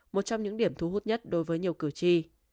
một trong những điểm thu hút nhất đối với nhiều cử tri